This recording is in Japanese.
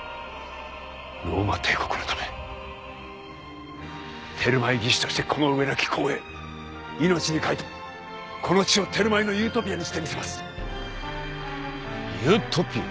ローマ帝国のためテルマエ技師としてこの上なき光栄命に代えてもこの地をテルマエのユートピアにしてみせます“ユートピア”？